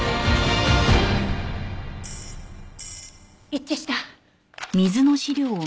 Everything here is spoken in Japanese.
一致した！